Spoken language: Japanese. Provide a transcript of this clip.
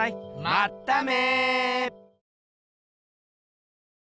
まっため！